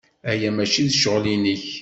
Aya maci d ccɣel-nnek.